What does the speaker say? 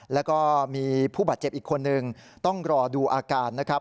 แล้วก็มีผู้บาดเจ็บอีกคนนึงต้องรอดูอาการนะครับ